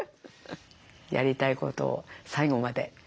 やりたいことを最後まで。